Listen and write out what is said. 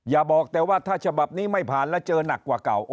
อย่าบอกแต่ว่าถ้าฉบับนี้ไม่ผ่านแล้วเจอหนักกว่าเก่า